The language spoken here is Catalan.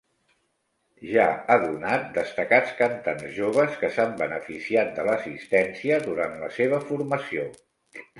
Ja ha donat destacats cantants joves que s'han beneficiat de l'assistència durant la seva formació.